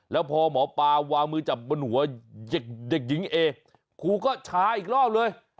แล้วพอหมอปลาวางมือจับบนหัวเด็กหญิงเอครูก็ชาอีกรอบเลย